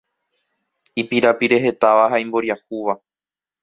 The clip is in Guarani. ipirapirehetáva ha imboriahúva